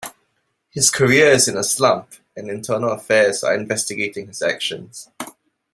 His career is in a slump and internal affairs are investigating his actions.